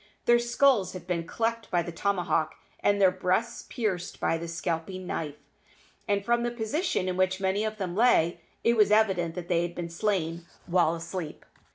Their skulls had been cleft by the tomahawk and their breasts pierced by the scalping knife, and from the position in which many of them lay it was evident that they had been slain while asleep.